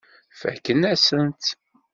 Fakken-asent-tt.